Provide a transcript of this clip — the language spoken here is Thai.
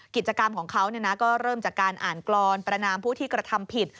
กิจกรรมของเขาก็เริ่มจากการอ่านกรอนประนามผู้ที่กระทำผิด